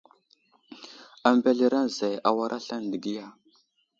A mbelereŋ zay awar aslane dəgiya.